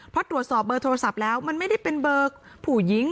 เพราะตรวจสอบเบอร์โทรศัพท์แล้วมันไม่ได้เป็นเบอร์ผู้หญิง